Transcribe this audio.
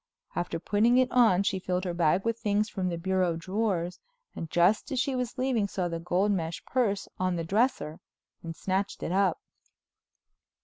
After putting it on she filled her bag with things from the bureau drawers, and just as she was leaving saw the gold mesh purse on the dresser and snatched it up.